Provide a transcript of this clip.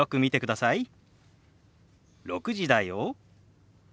「６時だよ」。